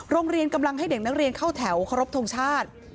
โรงเรียนกำลังให้เด็กนักเรียนเข้าแถวเคารพทงชาติ